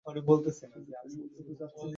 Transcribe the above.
কিন্তু কেউ সমাধান দিতে পারবে না।